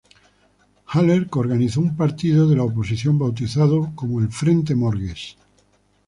Haller co-organizó un partido de la oposición, bautizado como el ""Frente Morges"".